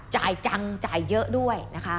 จ่ายจังจ่ายเยอะด้วยนะคะ